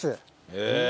へえ！